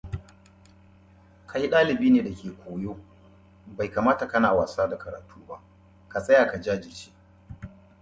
The small town is located in the western part of Puerto Rico.